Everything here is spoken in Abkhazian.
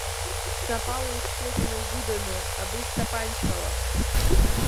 Снапала усшьуеит инаугәыданы, абри стапанчала!